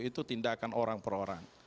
itu tindakan orang per orang